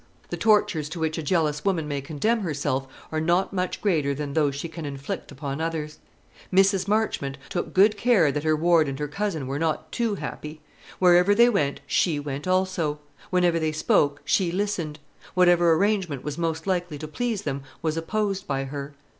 The tortures to which a jealous woman may condemn herself are not much greater than those she can inflict upon others. Mrs. Marchmont took good care that her ward and her cousin were not too happy. Wherever they went, she went also; whenever they spoke, she listened; whatever arrangement was most likely to please them was opposed by her.